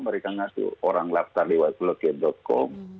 mereka ngasih orang laksa lewat lokator com